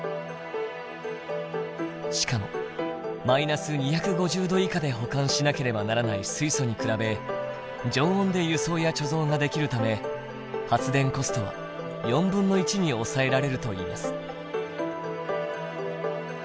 しかも−２５０℃以下で保管しなければならない水素に比べ常温で輸送や貯蔵ができるため発電コストは1/4に抑えられるといいます。